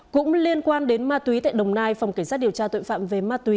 cũng liên quan đến ma túy tại đồng nai phòng cảnh sát điều tra tội phạm về ma túy